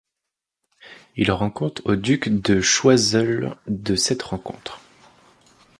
Il rend compte au duc de Choiseul de cette rencontre.